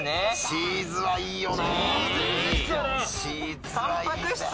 チーズはいいのよ。